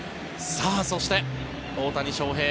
そして、大谷翔平。